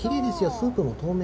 スープも透明。